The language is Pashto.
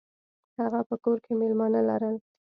هغه په کور کې میلمانه لرل.